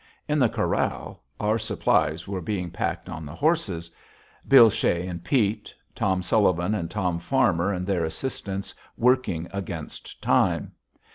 In the corral, our supplies were being packed on the horses, Bill Shea and Pete, Tom Sullivan and Tom Farmer and their assistants working against time.